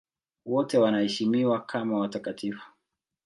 Wote wanaheshimiwa kama watakatifu.